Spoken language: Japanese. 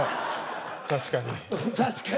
確かに。